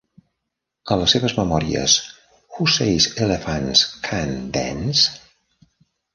A les seves memòries: Who Says Elephants Can't Dance?